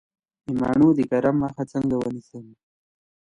د مڼو د کرم مخه څنګه ونیسم؟